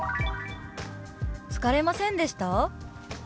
「疲れませんでした？」。